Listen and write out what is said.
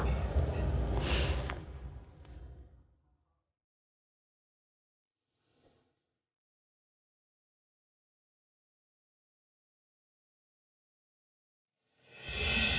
ayo kecuali takut